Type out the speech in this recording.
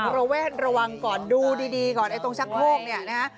ระแวดระวังก่อนดูดีก่อนไอ้ตรงชักโคกเนี่ยนะฮะ